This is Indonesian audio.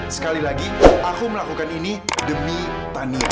sekali lagi aku melakukan ini demi tani